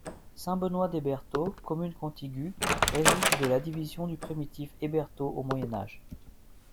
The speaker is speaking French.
Saint-Benoît-d'Hébertot commune contigüe, résulte de la division du primitif Hébertot au Moyen Âge.